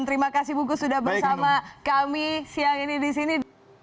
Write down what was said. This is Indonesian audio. terima kasih bungkus sudah bersama kami siang ini di sini